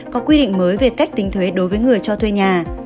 có quy định mới về cách tính thuế đối với người cho thuê nhà